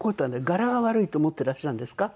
「柄が悪いと思っていらっしゃるんですか？」